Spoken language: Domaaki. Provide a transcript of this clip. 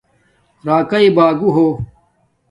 راکاݵ باگوہ ہو